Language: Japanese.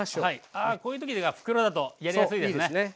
あこういう時袋だとやりやすいですね。